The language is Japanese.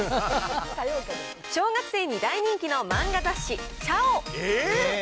小学生に大人気の漫画雑誌、ちゃお。